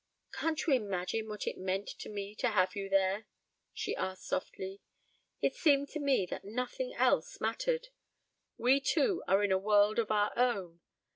"Can't you imagine what it meant to me to have you there?" she asked softly. "It seemed to me that nothing else mattered. We two are in a world of our own.